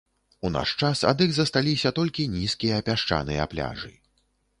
У наш час ад іх засталіся толькі нізкія пясчаныя пляжы.